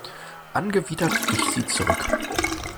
Angewidert wich sie zurück.